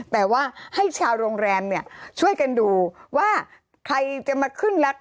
แต่ว่าให้ชาวโรงแรมเนี่ยช่วยกันดูว่าใครจะมาขึ้นรัก